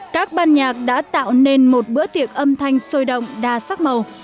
các ban nhạc đã tạo nên một bữa tiệc âm thanh sôi động đa sắc màu